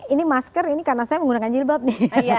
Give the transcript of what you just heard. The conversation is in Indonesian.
ini masker ini karena saya menggunakan jilbab nih